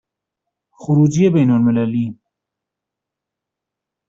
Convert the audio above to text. خروجی بین المللی